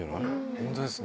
本当ですね。